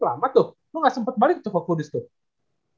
lama tuh lu gak sempet balik ke kudus tuh